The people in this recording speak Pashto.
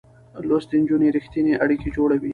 لوستې نجونې رښتينې اړيکې جوړوي.